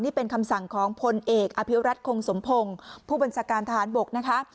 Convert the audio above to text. นี่เป็นคำสั่งของพลเอกอภิวรัฐคงสมพงศ์ผู้บัญชาการทหารบกนะคะ